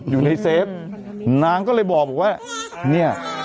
อยู่ในเซฟ